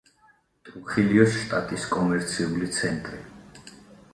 ტრუხილიოს შტატის კომერციული ცენტრი.